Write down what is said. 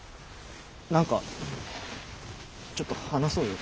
何かちょっと話そうよ。